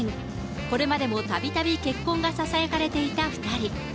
これまでもたびたび結婚がささやかれていた２人。